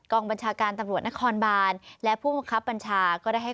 บัญชาการตำรวจนครบานและผู้บังคับบัญชาก็ได้ให้